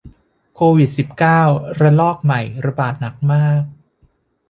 โควิดสิบเก้าระลอกใหม่ระบาดหนักมาก